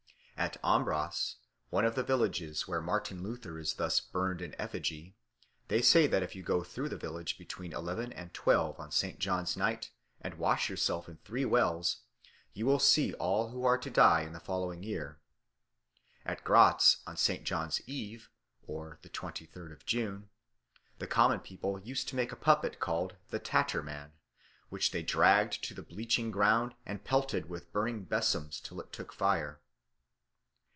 At Ambras, one of the villages where Martin Luther is thus burned in effigy, they say that if you go through the village between eleven and twelve on St. John's Night and wash yourself in three wells, you will see all who are to die in the following year. At Gratz on St. John's Eve (the twenty third of June) the common people used to make a puppet called the Tatermann, which they dragged to the bleaching ground, and pelted with burning besoms till it took fire.